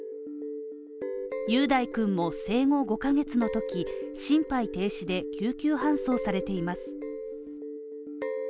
雄大君も生後５カ月のとき心肺停止で救急搬送されています。